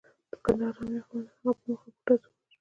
د کندهار امنیه قوماندان هغه په مخامخ ډزو وواژه.